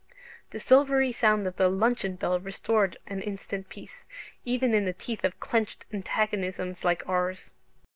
The silvery sound of the luncheon bell restored an instant peace, even in the teeth of clenched antagonisms like ours.